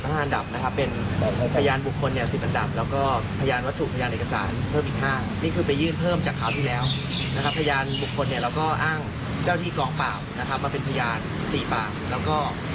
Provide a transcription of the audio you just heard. ตลอดทางหมวกค้นเราอ้างเจ้าที่กองปากเป็นพยาน๔ปาก